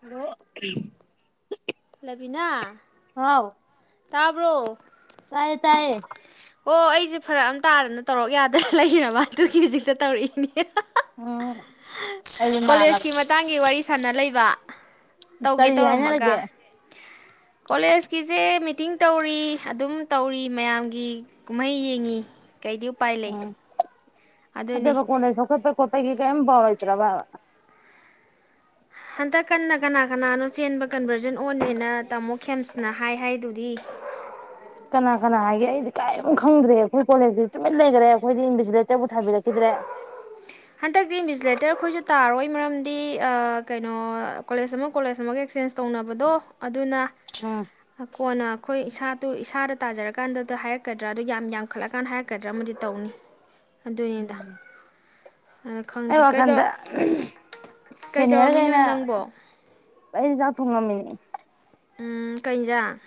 hello ꯂꯩꯦꯕꯤꯅꯥ ꯇꯥꯕ꯭ꯔꯣ ꯇꯥꯏꯥꯏ ꯇꯥꯏꯌꯦ ꯑꯣ ꯑꯩꯁꯦ ꯐꯔꯛ ꯑꯃ ꯇꯥꯗꯅ ꯇꯧꯔꯛ ꯌꯥꯗꯅ ꯂꯩꯔꯕ ꯑꯗꯨꯒꯤ ꯍꯧꯖꯤꯛꯇ ꯇꯧꯔꯛꯏꯅꯦ ꯎꯝ ꯑꯩꯗꯤ ꯅꯥꯔꯕ ꯀꯣꯂꯦꯖꯀꯤ ꯃꯇꯥꯡꯒꯤ ꯋꯥꯔꯤ ꯁꯥꯟꯅ ꯂꯩ ꯋꯥ ꯇꯧꯒꯦ ꯀꯔꯤ ꯇꯧꯔꯝꯃꯒ ꯍꯥꯏꯅꯔꯒꯦ ꯀꯣꯂꯦꯖꯀꯤꯁꯦ ꯐꯛꯇꯤꯡ ꯇꯧꯔꯤ ꯑꯗꯨꯝ ꯇꯧꯔꯤ ꯃꯌꯥꯝꯒꯤ ꯀꯨꯝꯍꯩ ꯌꯦꯡꯉꯤ ꯀꯩꯗꯤ ꯎꯄꯥꯏ ꯂꯩ ꯑꯗꯨꯅꯤ ꯑꯗꯕꯣꯟ ꯁꯜꯄꯣꯄꯒꯤ [unintelligible] ꯀꯦꯝ ꯐꯥꯎ ꯂꯩꯇ꯭ꯔꯕꯥꯕ ꯍꯟꯗꯛ ꯀꯟꯅ ꯀꯅꯥ ꯀꯅꯥꯅꯣ ꯆꯦꯟꯕ ꯀꯟꯚꯔꯖꯟ ꯑꯣꯟꯅꯦꯅ ꯇꯥꯃꯣ ꯈꯦꯝꯁꯅ ꯍꯥꯏ ꯍꯥꯏꯗꯨꯗꯤ ꯀꯅꯥ ꯀꯅꯥ ꯍꯥꯏꯒꯦ ꯑꯩꯗꯤ ꯀꯥꯏꯝ ꯈꯪꯗ꯭ꯔꯦ ꯑꯩꯈꯣꯏ ꯀꯣꯂꯦꯖꯇꯗꯤ ꯇꯨꯃꯤꯟ ꯂꯩꯈ꯭ꯔꯦ ꯑꯩꯈꯣꯏꯗꯤ ꯏꯟꯚꯤꯖꯤꯂꯦꯇꯔꯕꯨ ꯊꯥꯕꯤꯔꯛꯈꯤꯗ꯭ꯔꯦ ꯍꯟꯗꯛꯇꯤ ꯏꯤꯟꯕꯤꯖꯤꯂꯦꯇꯔ ꯑꯩꯈꯣꯏꯁꯨ ꯇꯥꯔꯛꯑꯣꯏ ꯃꯔꯝꯗꯤ ꯀꯩꯅꯣ ꯀꯣꯂꯦꯖ ꯑꯃ ꯀꯣꯂꯦꯖ ꯑꯃꯒ ꯑꯦꯛꯆꯦꯟꯖ ꯇꯧꯅꯕꯗꯣ ꯑꯗꯨꯅ ꯎꯝ ꯀꯣꯟꯅ ꯑꯩꯈꯣꯏ ꯏꯁꯥꯗꯨ ꯏꯁꯥꯗ ꯇꯥꯖꯔꯀꯥꯟꯗ ꯍꯥꯏꯔꯛꯀꯗ꯭ꯔꯥ ꯑꯗꯨ ꯌꯥꯝ ꯌꯥꯝꯡꯈꯠꯂꯀꯥꯟꯗ ꯍꯥꯏꯔꯛꯀꯗ꯭ꯔꯥ ꯑꯃꯗꯤ ꯇꯧꯅꯤ ꯑꯗꯨꯅꯤꯗ ꯑꯗ ꯑꯩ ꯈꯪꯗꯦ ꯋꯥꯈꯜꯗ ꯀꯩꯗꯧꯔꯝꯃꯤꯅꯣ ꯁꯦꯅꯤꯌꯔꯈꯩꯅ ꯅꯪꯕꯣ ꯑꯩ ꯊꯣꯡꯉꯝꯃꯤꯅꯤ ꯎꯝ ꯀꯩꯏꯟꯖꯥꯡ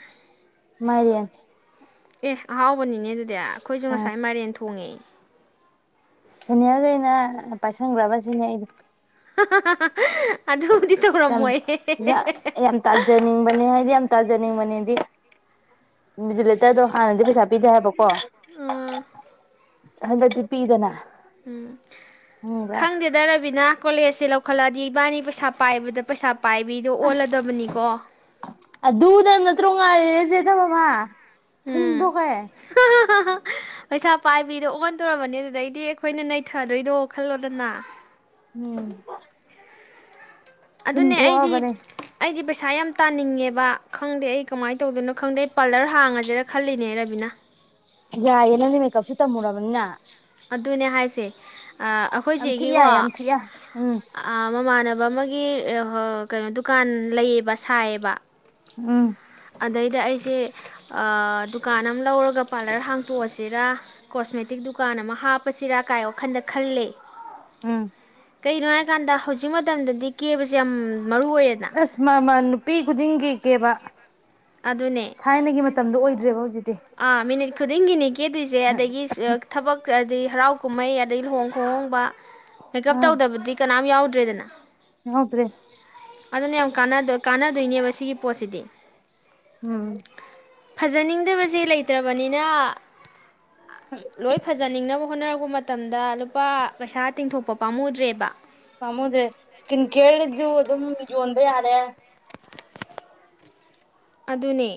ꯃꯥꯏꯔꯦꯟ ꯑꯦ ꯑꯥꯎ ꯕꯅꯤꯅꯦ ꯑꯗꯨꯗꯤ ꯑꯩꯈꯣꯏꯁꯨ ꯑꯥ ꯉꯁꯥꯏ ꯃꯥꯏꯔꯦꯟ ꯊꯣꯡꯉꯦ ꯁꯦꯅꯤꯌꯔꯈꯩꯅ ꯄꯥꯏꯁꯟꯈ꯭ꯔꯕ ꯁꯤꯅꯦ ꯑꯩꯗꯤ ꯑꯗꯨ ꯌꯥꯝ ꯌꯥꯝ ꯇꯥꯖꯅꯤꯡꯕꯅꯤ ꯍꯥꯏꯗꯤ ꯌꯥꯝ ꯇꯥꯖꯅꯤꯡꯕꯅꯦꯗꯤ ꯏꯟꯕꯤꯖꯤꯂꯦꯇꯔꯗꯣ ꯍꯥꯟꯅꯗꯤ ꯄꯩꯁꯥ ꯄꯤꯗꯦ ꯍꯥꯏꯕꯀꯣ ꯎꯝ ꯍꯟꯗꯛꯇꯤ ꯄꯤꯗꯅ ꯎꯝ ꯈꯪꯕ꯭ꯔꯥ ꯈꯪꯗꯦꯗ ꯔꯥꯕꯤꯅꯥ ꯀꯣꯂꯦꯖꯁꯦ ꯂꯧꯈꯠꯂꯛꯑꯗꯤ ꯏꯕꯥꯅꯤ ꯄꯩꯁꯥ ꯄꯥꯏꯕꯗ ꯄꯩꯁꯥ ꯄꯥꯏꯕꯤꯗꯣ ꯑꯁ ꯑꯣꯜꯂꯗꯕꯅꯤꯀꯣ ꯑꯨꯗꯅꯠꯇ꯭ꯔꯣ ꯉꯥꯏꯔꯤꯁꯦ ꯏꯗꯃꯃ [unintelligible] ꯎꯝ ꯊꯨꯟꯊꯣꯛ ꯀꯩ ꯄꯩꯁꯥ ꯄꯥꯏꯕꯤꯗꯣ ꯑꯣꯟꯗꯣꯔꯕꯅꯦ ꯑꯗꯨꯗꯩꯗꯤ ꯑꯩꯈꯣꯏꯅ ꯅꯩꯊꯗꯣꯏꯗꯣ ꯈꯜꯂꯣꯗꯅ ꯎꯝ ꯑꯗꯨꯅꯦ ꯑꯩꯗꯤ ꯊꯨꯝꯊꯣꯛꯑꯕꯅꯦ ꯑꯩꯗꯤ ꯄꯩꯁꯥ ꯁꯥ ꯌꯥꯝ ꯇꯥꯅꯤꯡꯉꯦꯕ ꯈꯪꯗꯦ ꯑꯩ ꯀꯃꯥꯏꯅ ꯇꯧꯗꯣꯏꯅꯣ ꯈꯪꯗꯦ ꯄꯂꯔ ꯍꯥꯡꯉꯁꯦ ꯖꯤꯔꯥ ꯈꯜꯂꯤꯅꯦ ꯔꯕꯤꯅꯥ ꯌꯥꯏꯌꯦꯦ ꯅꯪꯗꯤ ꯃꯦꯀꯞꯁꯨ ꯇꯝꯃꯨꯔꯕꯅꯤꯅ ꯑꯗꯨꯅꯦ ꯍꯥꯏꯁꯦ ꯌꯥꯝ ꯊꯤ ꯑꯩꯈꯣꯏꯁꯤꯒꯤꯀꯣ ꯌꯥꯏ ꯌꯥꯝ ꯊꯤ ꯌꯥꯏ ꯎꯝ ꯃꯃꯥꯟꯅꯕ ꯑꯃꯒꯤ ꯑꯩꯒꯤ ꯀꯩꯅꯣ ꯗꯨꯀꯥꯟ ꯂꯩꯌꯦꯕ ꯁꯥꯏꯌꯦꯕ ꯎꯝ ꯑꯗꯩꯗ ꯑꯩꯁꯦ ꯗꯨꯀꯥꯟ ꯑꯃ ꯂꯧꯔꯒ ꯄꯥꯔꯂꯔ ꯍꯥꯡꯇꯣꯛꯑꯁꯤꯔ ꯀꯣꯁꯃꯦꯇꯤꯛ ꯗꯨꯀꯥꯟ ꯗꯨꯀꯥꯟ ꯑꯃ ꯍꯥꯞꯄꯁꯤꯔꯥ ꯀꯥꯏ ꯋꯥꯈꯜꯗ ꯈꯜꯂꯦ ꯎꯝ ꯀꯩꯒꯤꯅꯣ ꯍꯥꯏꯀꯥꯟꯗ ꯍꯧꯖꯤꯛ ꯃꯇꯝꯗꯗꯤ ꯀꯦꯕꯁꯦ ꯌꯥꯝ ꯃꯔꯨ ꯑꯣꯏꯔꯦꯅ ꯑꯁ ꯃꯥꯃ ꯅꯨꯄꯤ ꯈꯨꯗꯤꯡꯒꯤꯤ ꯀꯦꯕ ꯊꯥꯏꯅꯒꯤ ꯃꯇꯝꯗꯣ ꯑꯣꯏꯗ꯭ꯔꯦꯕ ꯍꯧꯖꯤꯛꯇꯤ ꯑ ꯃꯤꯅꯤ ꯈꯨꯗꯦꯡꯒꯤꯅꯤꯒꯤ ꯀꯦꯗꯣꯏꯁꯦ ꯑꯗꯒꯤ ꯊꯕꯛ ꯑꯗꯒꯤ ꯍꯔꯥꯎ ꯀꯨꯝꯍꯩ ꯑꯗꯩ ꯂꯨꯍꯣꯡ ꯈꯣꯡꯍꯣꯡꯕ ꯃꯦꯀꯞ ꯇꯧꯗꯕꯗꯤ ꯀꯅꯥꯝ ꯌꯥꯎ ꯗ꯭ꯔꯦꯗꯅ ꯍꯥꯎꯗ꯭ꯔꯔꯤ ꯑꯗꯨꯅ ꯌꯥꯝ ꯀꯥꯟꯅꯗꯣꯏꯅꯦꯕ ꯁꯤꯒꯤ ꯄꯣꯠꯁꯤꯗꯤ ꯎꯝ ꯐꯖꯅꯤꯡꯗꯕꯁꯤꯡ ꯂꯩꯇ꯭ꯔꯕꯅꯤꯅ ꯂꯣꯏ ꯐꯖꯅꯤꯡꯅꯕ ꯍꯣꯠꯅꯔꯛꯄ ꯃꯇꯝꯗ ꯂꯨꯄꯥ ꯄꯩꯁꯥ ꯇꯤꯡꯊꯣꯛꯄ ꯄꯥꯝꯃꯨꯗ꯭ꯔꯦꯕ ꯐꯃꯨꯗ꯭ꯔꯦ ꯏꯁꯀꯤꯟ ꯀꯦꯔꯁꯨ ꯑꯗꯨꯝ ꯌꯣꯟꯕ ꯌꯥꯔꯦ [unintelligible] ꯑꯗꯨ ꯑꯗꯨꯅꯦ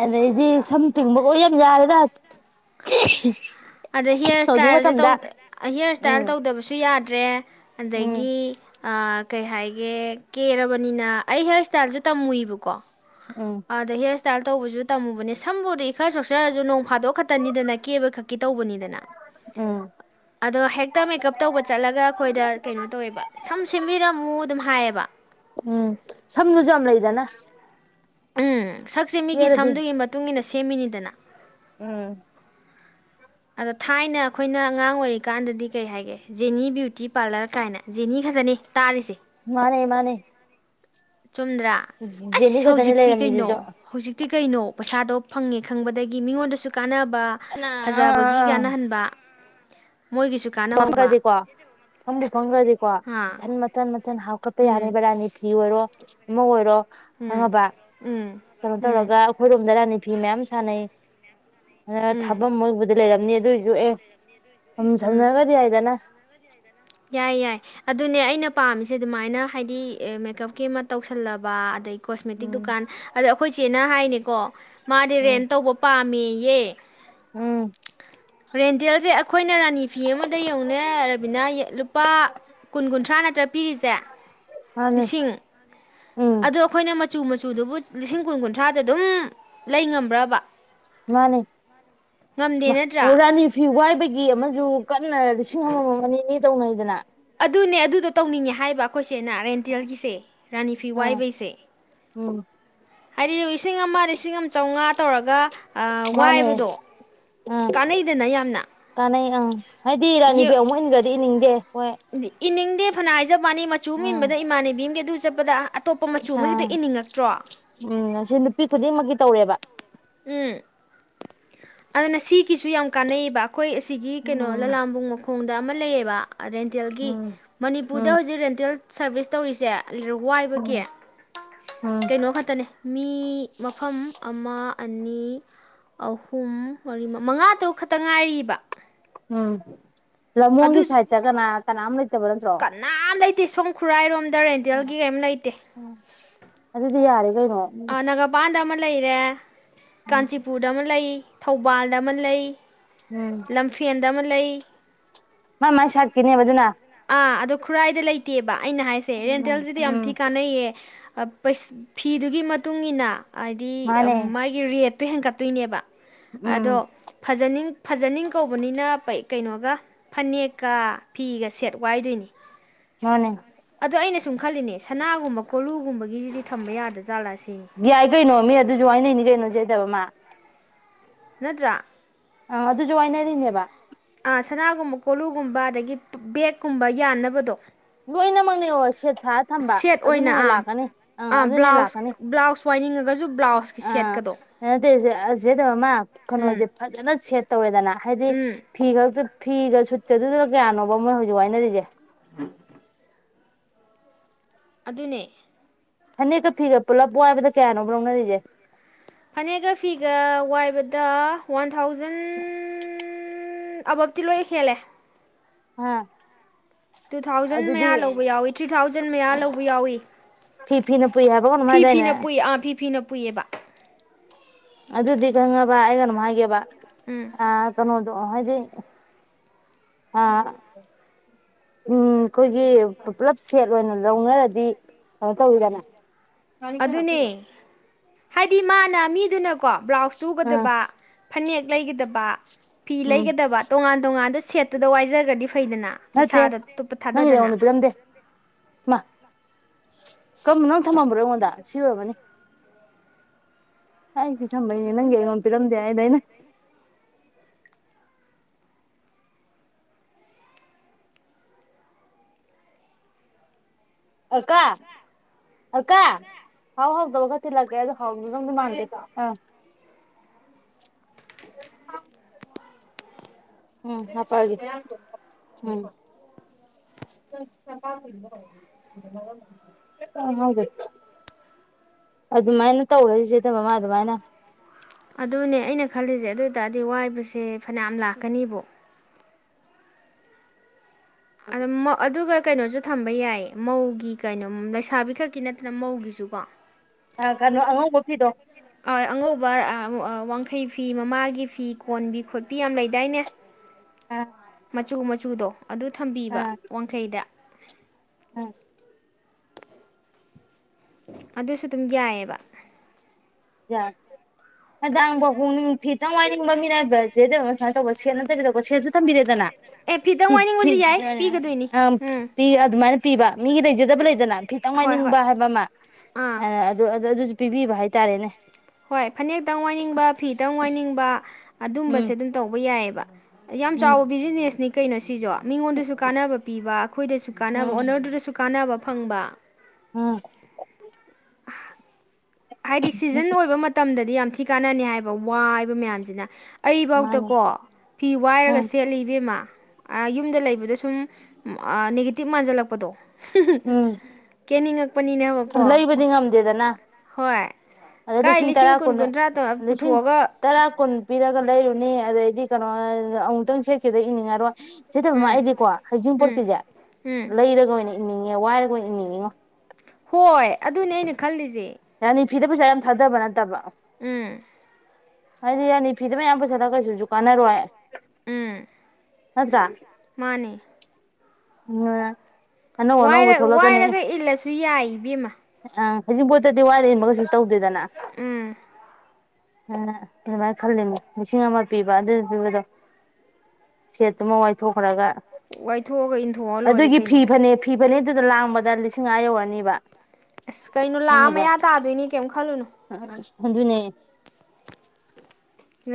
ꯑꯗꯨꯗꯗꯤ ꯁꯝꯊꯤꯡꯕꯣꯏ ꯌꯥꯝ ꯌꯥꯔꯦꯗ ꯑꯗ ꯍꯦꯌꯔ ꯍꯧꯖꯤꯛ ꯏꯁꯇꯥꯏꯜꯁꯦ ꯃꯇꯝꯗ ꯍꯦꯌꯔ ꯏꯁꯇꯥꯏꯜ ꯎꯝ ꯇꯧꯗꯕꯁꯨ ꯌꯥꯗ꯭ꯔꯦ ꯎꯝ ꯑꯗꯒꯤ ꯀꯩ ꯍꯥꯏꯒꯦ ꯀꯦꯔꯕꯅꯤꯅ ꯑꯩ ꯍꯦꯌꯔ ꯏꯁ꯭ꯇꯥꯏꯜꯁꯨ ꯇꯝꯃꯨꯏꯕꯀꯣ ꯎꯝ ꯑꯗ ꯍꯦ ꯏꯁꯇꯥꯏꯜ ꯇꯧꯕꯁꯨ ꯇꯝꯃꯕꯅꯦ ꯁꯝꯝꯕꯕꯨꯗꯤ ꯈꯔ ꯁꯣꯛꯆꯔꯁꯨ ꯅꯣꯡ ꯐꯥꯗꯣꯛ ꯈꯛꯇꯅꯤꯗꯅ ꯀꯦꯕ ꯈꯛꯀꯤ ꯇꯧꯕꯅꯤꯗꯅ ꯎꯝ ꯑꯗꯣ ꯍꯦꯛꯇ ꯃꯦꯀꯞ ꯇꯧꯕ ꯆꯠꯂꯒ ꯑꯩꯈꯣꯏꯗ ꯀꯩꯅꯣ ꯇꯧꯋꯦꯕ ꯁꯝ ꯁꯦꯝꯕꯤꯔꯝꯃꯨ ꯑꯗꯨꯝ ꯍꯥꯏꯌꯦꯕ ꯎꯝ ꯁꯝꯗꯨꯁꯨ ꯌꯥꯝ ꯂꯩꯗꯅ ꯎꯝ ꯁꯛꯁꯦ ꯃꯤꯒꯤ ꯀꯦꯔꯗꯤ ꯁꯝꯗꯨꯒꯤ ꯃꯇꯨꯡ ꯏ ꯃꯇꯨꯡꯏꯟꯅ ꯁꯦꯝꯃꯤꯅꯤꯗꯅ ꯎꯝ ꯑꯗ ꯊꯥꯏꯅ ꯑꯩꯈꯣꯏꯅ ꯑꯉꯥꯡ ꯑꯣꯏꯔꯤꯀꯥꯟꯗꯗꯤ ꯀꯩ ꯍꯥꯏꯒꯦ ꯖꯦꯅꯤ ꯕ꯭ꯌꯨꯇꯤ ꯄꯥꯔꯂꯔ ꯀꯥꯏꯅ ꯖꯦꯅꯤ ꯈꯛꯇꯅꯤ ꯇꯥꯔꯤꯁꯦ ꯃꯥꯅꯦ ꯃꯥꯅꯦ ꯆꯨꯝꯗ꯭ꯔꯥ ꯖꯦꯅꯤ ꯑꯁ ꯈꯛꯇꯅꯤ ꯍꯧꯖꯤꯛꯇꯤ ꯀꯩꯅꯣ ꯂꯩꯔꯝꯃꯤꯗꯨꯁꯨ ꯍꯧꯖꯤꯛꯇꯤ ꯀꯩꯅꯣ ꯄꯩꯁꯥꯗꯣ ꯐꯪꯉꯦ ꯈꯪꯕꯗꯒꯤ ꯃꯤꯉꯣꯟꯗꯁꯨ ꯀꯥꯟꯅꯕ ꯑꯅ [unintelligible] ꯐꯖꯕꯒꯤ ꯀꯥꯟꯅꯍꯟꯕ ꯃꯣꯏꯒꯤꯁꯨ ꯀꯥꯟꯅꯍꯧꯕ ꯐꯪꯈ꯭ꯔꯗꯤꯀꯣ ꯐꯪꯕꯨ ꯐꯪꯈ꯭ꯔꯗꯤꯀꯣ ꯑꯥ ꯏꯊꯟ ꯃꯊꯟꯊ ꯐꯟ ꯍꯥꯎ ꯀꯠꯄ ꯎꯝ ꯌꯥꯅꯤꯕꯔꯥꯅꯤ ꯐꯤ ꯑꯣꯏꯔꯣ ꯃ ꯑꯣꯏꯔꯣ ꯎꯝ ꯈꯪꯉꯕ ꯎꯝ ꯀꯩꯅꯣ ꯎꯝ ꯇꯧꯔꯒ ꯑꯩꯈꯣꯏꯔꯣꯝꯗ ꯔꯥꯅꯤ ꯐꯤ ꯃꯌꯥꯝꯌꯥꯝ ꯁꯅꯩ ꯑ ꯎꯝ ꯊꯕ ꯃꯣꯏꯗ ꯂꯩꯔꯝꯅꯤ ꯑꯗꯨꯑꯣꯏꯁꯨ ꯑꯦ ꯎꯝ ꯗꯅ ꯌꯥꯏ ꯌꯥꯏ ꯑꯗꯨꯅꯦ ꯑꯩꯅ ꯄꯥꯝꯃꯤꯁꯦ ꯑꯗꯨꯃꯥꯏꯅ ꯍꯥꯏꯗꯤ ꯃꯦꯀꯞꯀꯤ ꯑꯃ ꯇꯧꯁꯜꯂꯕ ꯑꯗꯒꯤ ꯀꯣꯁꯃꯦꯇꯤꯛ ꯎꯝ ꯗꯨꯀꯥꯟ ꯑꯗꯣ ꯑꯩꯈꯣꯏ ꯆꯦꯅ ꯍꯥꯏꯅꯤ ꯑꯩꯀꯣ ꯃꯥꯗꯤ ꯎꯝ ꯔꯦꯟ ꯇꯧꯕ ꯄꯥꯝꯃꯤ ꯌꯦꯦ ꯎꯝ ꯔꯦꯟ ꯍꯣꯇꯦꯜꯁꯦ ꯑꯩꯈꯣꯏꯅ ꯔꯥꯅꯤ ꯐꯤ ꯑꯃꯗ ꯌꯧꯅ ꯔꯕꯤꯅꯥ ꯂꯨꯄꯥ ꯀꯨꯟ ꯀꯨꯟꯊ꯭ꯔꯥ ꯅꯠꯇ꯭ꯔ ꯄꯤꯔꯤꯁꯦ ꯃꯥꯅꯦ ꯂꯤꯁꯤꯡ ꯎꯝ ꯑꯣ ꯑꯩꯈꯣꯏꯅ ꯃꯆꯨ ꯃꯆꯨꯗꯨꯕꯨ ꯂꯤꯁꯤꯡ ꯀꯨꯟ ꯀꯨꯟꯊ꯭ꯔꯥꯗ ꯑꯗꯨꯝ ꯂꯩ ꯉꯝꯕ꯭ꯔꯕ ꯃꯥꯅꯦ ꯉꯝꯗꯦ ꯅꯠꯇ꯭ꯔꯥ ꯑꯣꯔꯅꯤ ꯐꯤ ꯋꯥꯏ ꯑꯃꯁ ꯀꯅ ꯂꯤꯁꯤꯡ ꯑꯃꯃꯝ ꯑꯅꯤꯅꯤ ꯇꯧꯅꯩꯗꯅ ꯑꯗꯨꯅꯦ ꯑꯗꯨꯗꯣ ꯇꯧꯅꯤꯡꯉꯦ ꯍꯥꯏꯕ ꯑꯩꯈꯣꯏꯁꯦꯅ ꯔꯦꯟꯇꯦꯜꯒꯤꯁꯦ ꯔꯥꯅꯤ ꯐꯤ ꯑꯥ ꯋꯥꯏꯕꯩꯁꯦ ꯎꯝ ꯑꯔꯤ ꯂꯤꯁꯤꯡ ꯑꯃ ꯂꯤꯁꯤꯡ ꯑꯃ ꯆꯥꯝꯃꯉꯥ ꯇꯧꯔꯒ ꯃꯥꯅꯦ ꯋꯥꯏꯕꯗꯣ ꯀꯥꯟꯅꯩꯗꯅ ꯌꯥꯝꯅ ꯎꯝ ꯍꯥꯏꯗꯤ ꯔꯥꯅꯤꯕꯤ ꯌꯦ- ꯑꯃꯨꯛ ꯏꯟꯈ꯭ꯔꯗꯤ ꯏꯅꯤꯡꯗꯦ ꯍ ꯏꯅꯤꯡꯗꯦ ꯐꯅꯥꯏꯖꯕ ꯅꯤ ꯃꯆꯨ ꯃꯟꯕꯗ ꯏꯃꯥꯟꯅꯕꯤ ꯆꯄꯗ ꯑꯥ ꯎꯝ ꯁꯤ ꯅꯨꯄꯤ ꯈꯨꯗꯤꯡꯃꯛꯀꯤ ꯇꯧꯔꯦꯕ ꯎꯝ ꯑꯗꯨꯅ ꯁꯤꯒꯤꯁꯨ ꯌꯥꯝ ꯀꯥꯟꯕ ꯑꯩꯈꯣꯏ ꯑꯁꯤꯒꯤ ꯀꯩꯅꯣ ꯎꯝ ꯂꯂꯥꯝꯕꯨꯡ ꯃꯈꯣꯏ ꯈꯣꯡꯗ ꯑꯃ ꯂꯩꯌꯦꯕ ꯔꯦꯟꯇꯦꯜꯒꯤ ꯎꯝ ꯎꯝ ꯃꯅꯤꯄꯨꯔꯗ ꯍꯧꯖꯤꯛ ꯔꯦꯟꯇꯦꯜ ꯁꯔꯚꯤꯁ ꯇꯧꯔꯤꯁꯦ ꯂꯤꯔ ꯋꯥꯏꯕꯒꯤ ꯎꯝ ꯎꯝ ꯀꯩꯅꯣ ꯈꯛꯇꯅꯦ ꯃꯤ ꯃꯐꯝ ꯃꯥ ꯑꯅꯤ ꯑꯍꯨꯝ ꯃꯔꯤ ꯃꯉꯥ ꯇꯔꯨꯛ ꯈꯛꯇ ꯉꯥꯏꯔꯤꯕ ꯎꯝ ꯂꯝꯃꯣꯡꯒꯤ ꯑꯗꯨ ꯁꯥꯏꯠꯇ ꯀꯅꯥ ꯀꯅꯥꯝ ꯂꯩꯇꯕ ꯅꯠꯇ꯭ꯔꯣ ꯁꯣꯡ ꯈꯨꯔꯥꯏꯔꯣꯝ ꯗꯔꯦꯟꯇꯦꯜꯒꯤ ꯀꯩꯝ ꯂꯩꯇꯦ ꯑꯗꯨꯗꯤ ꯌꯥꯔꯦ ꯀꯩꯅꯣ ꯎꯝ ꯅꯪ ꯄꯥꯟꯗ ꯃ ꯂꯩꯔꯦ ꯀꯥꯟꯆꯤꯄꯨꯔꯗ ꯑꯃ ꯂꯩ ꯊꯧꯕꯥꯜꯗ ꯑꯃ ꯂꯩ ꯂꯝꯐꯤ ꯗꯃꯂꯩ ꯃꯥ ꯃꯥꯥꯏ ꯁꯥꯠꯈꯤꯅꯦꯕ ꯑꯗꯨꯅ ꯑꯥ ꯑꯗꯣ ꯈꯨꯔꯥꯏꯗ ꯂꯩꯇꯦꯕ ꯑꯩꯅ ꯍꯥꯏꯁꯦ ꯎꯝ ꯔꯦꯟꯇꯦꯜꯁꯤꯗꯤ ꯌꯥꯝ ꯎꯝ ꯊꯤ ꯀꯥꯟꯅꯩꯌꯦ ꯐꯤꯗꯨꯒꯤ ꯃꯇꯨꯡ ꯏꯟꯅ ꯍꯥꯏꯗꯤ ꯃꯥꯅꯦ ꯃꯥꯒꯤ ꯔꯦꯠ ꯇꯨ ꯍꯦꯟꯒꯠꯇꯣꯏꯅꯦꯕ ꯎꯝ ꯑꯗꯣ ꯐꯖꯅꯤꯡ ꯐꯖꯅꯤꯡ ꯀꯧꯕꯅꯤꯅ ꯀꯩꯅꯣꯒ ꯐꯅꯦꯛꯀ ꯐꯤꯒ ꯁꯦꯠ ꯋꯥꯏꯗꯣꯏꯅꯤ ꯃꯥꯅꯦ ꯑꯗꯨꯗ ꯑꯩꯅ ꯁꯨꯝ ꯈꯜꯂꯤꯅꯦ ꯁꯅꯥꯒꯨꯝꯕ ꯀꯣꯂꯨꯒꯨꯝꯕꯒꯤꯁꯤꯗꯤ ꯊꯝꯕ ꯌꯥꯗ꯭ꯔ ꯥꯂꯥ ꯌꯥꯏ ꯀꯩꯅꯣ ꯃꯤ ꯑꯗꯨꯁꯨ ꯋꯥꯅꯅꯤ ꯀꯩꯅꯣꯁꯦꯗꯕ ꯃꯥ ꯅꯠꯇ꯭ꯔꯥ ꯑ ꯑꯗꯨꯁꯨ ꯋꯥꯅꯔꯤꯅꯦꯕ ꯁꯅꯥꯒꯨꯝꯕ ꯀꯣꯂꯨꯒꯨꯝꯕ ꯑꯗꯒꯤ ꯕꯦꯛꯀꯨꯝꯕ ꯌꯥꯟꯅꯕꯗꯣ ꯂꯣꯏꯅꯃꯛꯅꯦ ꯑꯣ ꯁꯦꯠ ꯁꯥꯔ ꯊꯝꯕ ꯁꯦꯠ ꯑꯗꯨꯅꯦ ꯑꯣꯏꯅ ꯑꯥ ꯂꯥꯛꯀꯅꯤ ꯑꯥ ꯑꯗꯨꯅꯦ ꯕ꯭ꯂꯥꯎꯁ ꯂꯥꯛꯀꯅꯤ ꯕ꯭ꯂꯥꯎꯁ ꯋꯥꯏꯅꯤꯡꯉꯒꯁꯨ ꯕ꯭ꯂꯥꯎꯁꯀꯤ ꯑꯥ ꯁꯦꯠꯀꯗꯣ ꯅꯠꯇꯦ ꯑꯁꯤꯗꯃ ꯎꯝ ꯀꯩꯅꯣꯁꯦ ꯐꯖꯅ ꯁꯦꯠ ꯇꯧꯔꯦꯗꯅ ꯍꯥꯏꯗꯤ ꯎꯝ ꯐꯤ ꯍꯛꯇ ꯐꯤꯒ ꯁꯨꯠꯀꯗꯨꯒ ꯀꯌꯥꯅꯣꯕ ꯃꯣꯏ ꯍꯧꯖꯤꯛ ꯋꯥꯏꯅꯔꯤꯁꯦ ꯎꯝ ꯑꯗꯨꯅꯦ ꯍꯅꯦꯛꯀ ꯐꯤꯒ ꯄꯨꯜꯂꯞ ꯋꯥꯏꯕꯗ ꯀꯌꯥꯅꯣꯕ꯭ꯔ ꯂꯧꯅꯔꯤꯁꯦ ꯐꯅꯦꯛꯒ ꯐꯤꯒ ꯋꯥꯏꯕꯗ ꯋꯥꯟ ꯊꯥꯎꯖꯟ ꯑꯕꯞꯇꯤ ꯂꯣꯏ ꯍꯦꯜꯂꯦ ꯑꯥ ꯇꯨ ꯊꯥꯎꯖꯟ ꯑꯗꯨꯗꯤ ꯃꯌꯥ ꯂꯧꯕ ꯌꯥꯎꯋꯤ ꯊ꯭ꯔꯤ ꯊꯥꯎꯖꯟ ꯃꯌꯥ ꯂꯧꯕ ꯌꯥꯎꯋꯤ ꯐꯤ ꯐꯤꯅ ꯄꯨꯏ ꯍꯥꯏꯕ ꯀꯩꯅꯣꯝ ꯐꯤ ꯍꯥꯏꯗꯥꯏꯅꯦ ꯐꯤꯅ ꯄꯨꯏ ꯑꯥ ꯐꯤ ꯐꯤꯅ ꯄꯨꯏꯌꯦꯕ ꯑꯗꯨꯗꯤꯒ ꯍꯉꯕ ꯑꯦꯒ ꯅ ꯃꯥꯒꯦꯕ ꯎꯝ ꯑ ꯆꯅꯣ ꯑꯗꯣ ꯍꯥꯏꯗꯤ ꯎꯝ ꯑꯩꯈꯣꯏꯒꯤ ꯄꯨꯂꯞ ꯁꯦꯠ ꯑꯣꯏꯅ ꯂꯧꯅꯔꯗꯤ ꯀꯩꯅꯣ ꯇꯧꯋꯤꯗꯅꯦ ꯀꯥꯔꯤꯗ ꯅꯁꯤꯦꯒꯣ ꯑꯗꯨꯅꯦ ꯍꯥꯏꯗꯤ ꯃꯥꯅꯥ ꯃꯤꯗꯨꯅ ꯀꯣ ꯕ꯭ꯂꯥꯎꯁ ꯑꯥ ꯇꯨꯒꯗꯕ ꯐꯅꯦꯛ ꯂꯩꯒꯗꯕ ꯐꯤ ꯎꯝ ꯂꯩꯒꯗꯕ ꯇꯣꯉꯥꯟ ꯇꯣꯉꯥꯟꯗ ꯈꯦꯠꯇꯨꯗ ꯋꯥꯏꯔꯒꯗꯤ ꯐꯩꯗꯅ ꯅꯠꯇꯦ ꯄꯩꯁꯥꯗ ꯇꯨꯞꯞꯄ ꯅꯪꯒꯤꯗꯤ ꯊꯥꯗꯗꯅ ꯑꯩꯉꯣꯟꯗ ꯄꯤꯔꯝꯗꯦ ꯀꯔꯝꯕꯅꯣ ꯊꯝꯃꯝꯕ꯭ꯔꯣ ꯑꯩꯉꯣꯟꯗ ꯁꯤ ꯑꯣꯏꯔꯕꯅꯤ ꯍꯥꯏꯥꯏꯁꯤꯦ ꯊꯝꯕꯩꯅꯦ ꯅꯪꯦꯉꯣꯟ ꯄꯔꯝꯗꯦ ꯍꯥꯏꯗꯥꯏꯩꯅ ꯑꯀꯥ ꯑꯜꯀꯥ ꯍꯥꯎ ꯍꯥꯎꯗꯕ ꯈꯔ ꯊꯤꯜꯂꯛꯀꯦ ꯑꯗ ꯍꯥꯎꯗꯨ ꯅꯪꯗꯤ ꯃꯥꯟꯗꯦ ꯑ ꯎꯝ ꯍꯥꯄꯒꯤ ꯎꯝ ꯑ ꯑꯗꯨꯃꯥꯏꯅ ꯇꯧꯔꯔꯤꯁꯦꯗ ꯃꯃꯥ ꯑꯗꯨꯃꯥꯏꯅ ꯑꯗꯨꯅꯦ ꯑꯩꯅ ꯈꯜꯂꯤꯁꯦ ꯑꯗꯨ ꯑꯣꯏ ꯇꯔꯗꯤ ꯋꯥꯏꯕꯁꯦ ꯐꯅꯌꯥꯝ ꯂꯥꯛꯀꯅꯤꯕꯣ ꯑ ꯑꯗꯨꯒ ꯀꯩꯅꯣꯁꯨ ꯊꯝꯕ ꯌꯥꯏ ꯃꯧꯒꯤ ꯀꯩꯅꯣ ꯂꯩꯁꯥꯕꯤ ꯈꯛꯀꯤ ꯅꯠꯇꯅ ꯃꯧꯒꯤꯁꯨ ꯀꯣ ꯑ ꯀꯩꯅꯣ ꯑꯉꯥꯡꯧꯕ ꯐꯤꯗꯣ ꯑꯉꯧꯕ ꯋꯥꯡꯈꯩ ꯐꯤ ꯃꯃꯥꯒꯤ ꯐꯤ ꯀꯣꯟꯕꯤ ꯈꯣꯠꯄꯤ ꯌꯥꯝ ꯂꯩꯗꯥꯏꯅꯦ ꯑꯥ ꯃꯆꯨ ꯃꯆꯨꯗꯣ ꯑꯗꯨ ꯊꯝꯕꯤꯕ ꯋꯥꯡꯈꯩꯗ ꯎꯝ ꯑꯗꯨꯁꯨ ꯑꯗꯨꯝ ꯌꯥꯏꯑꯕ ꯌꯥꯦ ꯍꯗꯥꯡꯕ ꯍꯣꯡꯅꯤꯡ ꯐꯤꯇꯪ ꯋꯥꯏꯅꯤꯡꯕ ꯃꯤꯅꯥꯏꯕꯁꯦ ꯀꯩꯅꯣ ꯁꯨꯃꯥꯏꯅ ꯇꯧꯕ ꯁꯦ ꯅꯠꯇꯕꯤꯗꯀꯣ ꯁꯦꯟꯁꯨ ꯊꯝꯕꯤꯔꯦꯗꯅ ꯑꯦ ꯐꯤꯗꯪ ꯋꯥꯏꯅꯤꯡꯕꯁꯨ ꯌꯥꯏ ꯄꯤꯒꯗꯣꯏꯅꯤ ꯑ ꯎꯝ ꯄꯤ ꯑꯗꯨ ꯃꯥ ꯄꯤꯕ ꯃꯤꯒꯤ ꯂꯩꯖꯗꯕ ꯂꯩꯗꯅ ꯍꯣꯏ ꯍꯣꯏ ꯐꯤꯇꯪꯉꯥꯏꯅꯤꯡꯕ ꯍꯥꯏꯕ ꯑꯃ ꯑꯥ ꯑꯗꯨ ꯄꯤꯕꯤꯕ ꯍꯥꯏꯇꯥꯔꯦꯅꯦ ꯍꯣꯏ ꯐꯅꯦꯛꯇꯪ ꯋꯥꯏꯅꯤꯡꯕ ꯐꯤꯗꯪ ꯋꯥꯏꯅꯤꯡꯕ ꯎꯝ ꯑꯗꯨꯝꯕꯁꯦ ꯑꯗꯨꯝ ꯇꯧꯕ ꯌꯥꯏꯑꯕ ꯕꯥ ꯌꯥꯝ ꯎꯝ ꯆꯥꯎꯕ ꯕꯤꯖꯤꯅꯦꯁꯅꯤ ꯀꯩꯅꯣ ꯁꯤꯖꯣ ꯃꯤꯉꯣꯟꯗꯁꯨ ꯀꯥꯟꯅꯕ ꯄꯤꯕ ꯑꯩꯈꯣꯏꯗꯁꯨ ꯀꯥꯟꯅꯕ ꯎꯝ ꯑꯣꯅꯔꯗꯨꯗꯁꯨ ꯀꯥꯟꯅꯕ ꯐꯪꯕ ꯎꯝ ꯍꯥꯏꯗꯤ ꯁꯤꯖꯟ ꯑꯣꯏꯕ ꯃꯇꯝꯗꯗꯤ ꯌꯥꯝ ꯊꯤ ꯀꯥꯟꯅꯅꯤ ꯍꯥꯏꯕ ꯋꯥ ꯍꯥꯏꯕ ꯃꯌꯥꯝꯁꯤꯅ ꯃꯥꯅꯤ ꯑꯩꯐꯧꯇꯀꯣ ꯐꯤ ꯋꯥꯏꯔꯒ ꯎꯝ ꯁꯦꯠꯂꯤ ꯏꯕꯦꯝꯃ ꯌꯨꯝꯗ ꯂꯩꯕꯗ ꯁꯨꯝ ꯅꯦꯒꯦꯇꯤꯞ ꯃꯥꯟꯖꯜꯂꯛꯄꯗꯣ ꯎꯝ [unintelligible] ꯀꯦꯅꯤꯡ ꯂꯩꯕꯗꯤ ꯉꯝꯗꯦꯗꯅ ꯍꯣꯏ ꯑꯗ ꯀꯥꯏ ꯂꯤꯁꯤꯡ ꯇꯔꯥ ꯀꯨꯟ ꯀꯨꯟꯊ꯭ꯔꯥꯗ ꯂꯤꯁꯤꯡ ꯄꯨꯊꯣꯛꯑꯒ ꯇꯔꯥ ꯀꯨꯟ ꯄꯤꯔꯒ ꯂꯩꯔꯨꯅꯤ ꯑꯗꯩꯗꯤ ꯀꯩꯅꯣ ꯑꯃꯨꯛꯇꯪ ꯁꯦꯠꯀꯦꯗ ꯏꯅꯤꯡꯉꯔꯣꯏ ꯁꯤꯗꯕ ꯑꯃ ꯎꯝ ꯑꯩꯗꯤꯀꯣ ꯎꯝ ꯍꯩꯖꯤꯡꯄꯣꯔꯠꯀꯤꯁꯦ ꯎꯝ ꯂꯩꯔꯒꯅꯤ ꯏꯅꯤꯡꯉꯦ ꯋꯥꯏꯔꯒꯣꯏ ꯏꯅꯤꯡꯉꯦꯉꯣ ꯍꯣꯏ ꯑꯗꯨꯅꯦ ꯑꯩꯅ ꯈꯜꯂꯤꯁꯦ ꯌꯥꯅꯤ ꯐꯤꯗ ꯄꯩꯁꯥ ꯌꯥꯝ ꯊꯥꯗꯕ ꯅꯠꯇꯕ ꯎꯝ ꯍꯥꯏꯗꯤ ꯌꯥꯅꯤ ꯐꯤꯗ ꯃꯌꯥꯝ ꯄꯩꯁꯥꯗ ꯀꯩꯁꯨ ꯀꯥꯟꯅꯔꯣꯏ ꯎꯝ ꯍꯖꯥ ꯃꯥꯅꯦ ꯃ ꯋꯥꯏꯔꯒ ꯏꯜꯂꯁꯨ ꯌꯥꯏ ꯏꯕꯦꯝꯃ ꯑꯗꯨ ꯗꯤ ꯋꯥꯔꯦꯒ ꯇꯧ ꯗꯅ ꯎꯝ ꯑꯗꯨ ꯑꯗꯨꯃꯥꯏꯅ ꯈꯜꯂꯤꯅꯣ ꯂꯤꯁꯤꯡ ꯑꯃ ꯄꯤꯕ ꯑꯗꯨ ꯄꯤꯕꯗꯣ ꯁꯦꯠꯇꯨꯃ ꯋꯥꯏꯊꯣꯛꯈ꯭ꯔꯒ ꯋꯥꯏꯊꯣꯛꯑꯒ ꯏꯟꯊꯣꯛꯑ ꯂꯣꯏꯔꯦ ꯀꯩꯅꯣ ꯕꯦꯅꯦꯗꯨꯗ ꯂꯥꯡꯕꯗ ꯂꯤꯁꯤꯡ ꯃꯉꯥ ꯌꯧꯔꯅꯤꯕ ꯑꯁ ꯀꯩꯅꯣ ꯂꯥꯛꯑ ꯈꯪꯉꯕ ꯃꯌꯥ ꯇꯥꯗꯣꯏꯅꯤ ꯀꯩꯝ ꯈꯜꯂꯨꯅꯨ ꯑꯗꯨꯗꯨꯅꯦ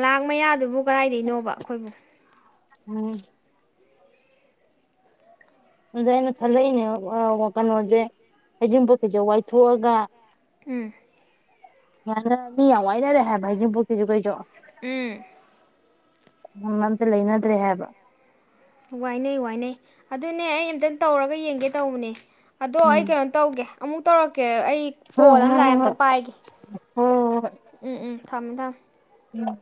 ꯂꯥꯛ ꯃꯌꯥꯗꯨꯕꯨ ꯀꯗꯥꯏꯗꯩꯅꯣꯕ ꯑꯩꯈꯣꯏꯕꯨ ꯎꯝ ꯑꯗ ꯑꯩꯅ ꯈꯜꯂꯛꯏꯅꯦ ꯀꯩꯅꯣꯁꯦ ꯍꯩꯖꯤꯡ ꯄꯣꯠ ꯀꯩꯁꯦ ꯋꯥꯏꯊꯣꯛꯑꯒ ꯎꯝ ꯌꯥꯅ ꯃꯤ ꯌꯥꯝ ꯋꯥꯏꯅꯔꯦ ꯍꯥꯏꯦ ꯚꯥꯏꯅꯤꯡ ꯄꯣꯛꯀꯤꯩꯁꯨ ꯀꯩꯁꯨ ꯎꯝ ꯎ ꯑꯝꯇ ꯂꯩꯅꯗ꯭ꯔꯦ ꯍꯥꯏꯕ ꯋꯥꯏꯅꯩ ꯋꯥꯏꯅꯩ ꯑꯗꯨꯅꯦ ꯑꯩ ꯑꯝꯇꯪ ꯇꯧꯔꯒ ꯌꯦꯡꯒꯦ ꯇꯧꯕꯅꯦ ꯑꯗꯣ ꯎꯝ ꯑꯩ ꯀꯩꯅꯣ ꯇꯧꯒꯦ ꯑꯃꯨꯛ ꯇꯧꯔꯛꯀꯦ ꯑꯩ ꯁꯤ ꯍꯣꯏ ꯍꯣꯏ ꯀꯣꯜ ꯑꯃ ꯂꯥꯛꯑ ꯑꯃꯝꯇ ꯍꯣꯏ ꯄꯥꯏꯒꯦ ꯍꯣꯏ ꯍꯣꯏ ꯍꯣꯏ ꯎꯝ ꯎꯝ ꯊꯝꯗ ꯎꯝ